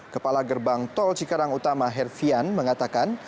kepala gerbang tol cikarang utama herfian mengatakan